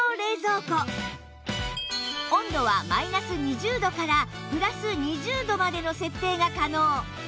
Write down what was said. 温度はマイナス２０度からプラス２０度までの設定が可能